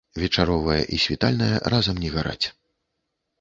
Вечаровая і світальная разам не гараць.